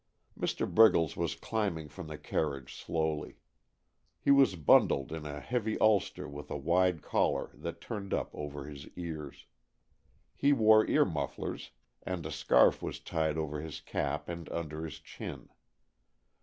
Mr. Briggles was climbing from the carriage slowly. He was bundled in a heavy ulster with a wide collar that turned up over his ears. He wore ear mufflers, and a scarf was tied over his cap and under his chin.